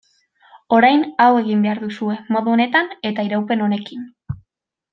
Orain hau egin behar duzue, modu honetan eta iraupen honekin.